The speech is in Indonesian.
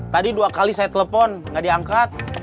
tadi dua kali saya telepon nggak diangkat